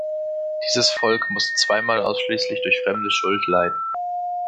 Dieses Volk musste zweimal ausschließlich durch fremde Schuld leiden.